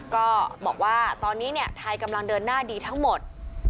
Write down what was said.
ก็บอกว่าตอนนี้ไทยกำลังเดินหน้าดีทั้งหมด